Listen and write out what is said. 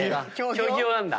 競技用なんだ。